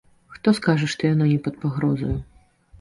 Хто скажа, што яно не пад пагрозаю?